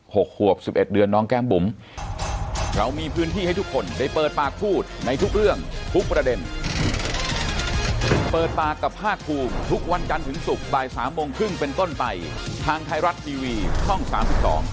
หกห่วบสิบเอ็ดเดือนน้องแก้มบุ๋ม